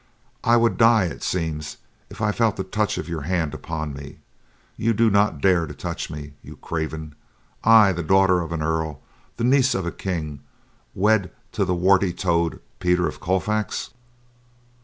I would die, it seems, if I felt the touch of your hand upon me. You do not dare to touch me, you craven. I, the daughter of an earl, the niece of a king, wed to the warty toad, Peter of Colfax!"